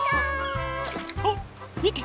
あっみて！